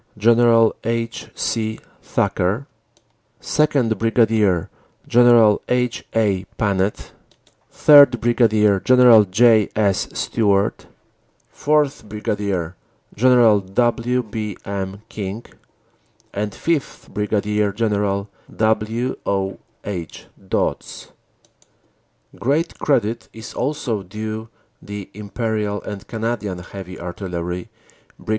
General H. C. Thacker; 2nd., Brig. General H. A. Panet; 3rd., Brig. General J. S. Stewart; 4th., Brig. General W. B. M. King; and 5th., Brig. General W. O. H. Dodds. Great credit is also due the Imperial and Canadian Heavy Artillery, Brig.